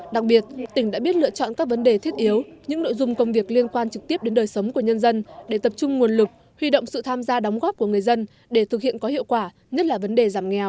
đặc biệt tỉnh đã biết lựa chọn các vấn đề thiết yếu những nội dung công việc liên quan trực tiếp đến đời sống của nhân dân để tập trung nguồn lực huy động sự tham gia đóng góp của người dân để thực hiện có hiệu quả nhất là vấn đề giảm nghèo